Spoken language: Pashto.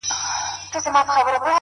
د درد د کيف څکه او ستا دوې خوبولې سترگي